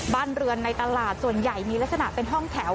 บ้านเรือนในตลาดส่วนใหญ่มีลักษณะเป็นห้องแถว